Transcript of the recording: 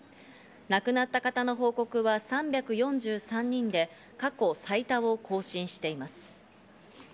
亡くなった方の報告は３４３人で過去最多を更新しています。